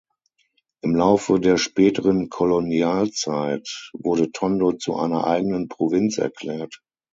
Im Laufe der späteren Kolonialzeit wurde Tondo zu einer eigenen Provinz erklärt.